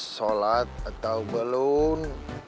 sholat atau belum